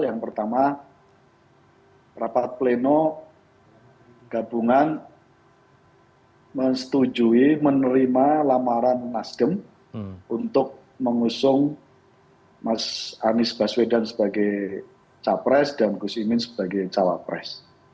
yang pertama rapat pleno gabungan menyetujui menerima lamaran nasdem untuk mengusung mas anies baswedan sebagai capres dan gus imin sebagai cawapres